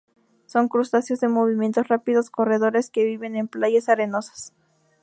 Son crustáceos de movimientos rápidos, corredores, que viven en playas arenosas.